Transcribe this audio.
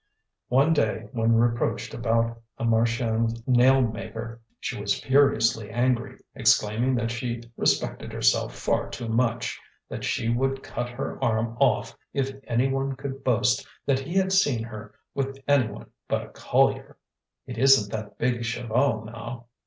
One day, when reproached about a Marchiennes nail maker, she was furiously angry, exclaiming that she respected herself far too much, that she would cut her arm off if any one could boast that he had seen her with any one but a collier. "It isn't that big Chaval now?"